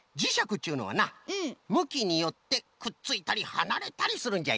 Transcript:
っちゅうのはなむきによってくっついたりはなれたりするんじゃよ。